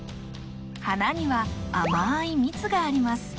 はなには甘い蜜があります。